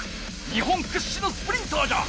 日本くっしのスプリンターじゃ。